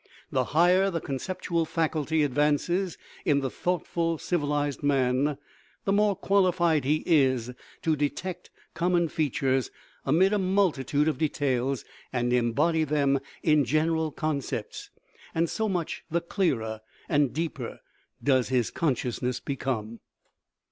The higher the conceptual faculty advances in thoughtful civil ized man, the more qualified he is to detect common features amid a multitude of details, and embody them in general concepts, and so much the clearer and deeper does his consciousness become.